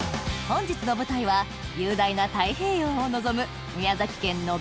本日の舞台は雄大な太平洋を望む